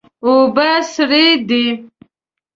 اوبه سړې دي.